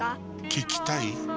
聞きたい？